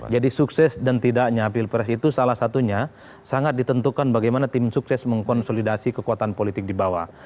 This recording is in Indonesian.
jadi sukses dan tidaknya pilpres itu salah satunya sangat ditentukan bagaimana tim sukses mengkonsolidasi kekuatan politik di bawah